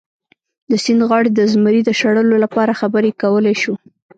د سیند غاړې د زمري د شړلو لپاره خبرې کولی شو.